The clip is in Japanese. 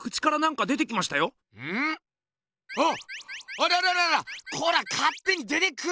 あららららコラかってに出てくんな！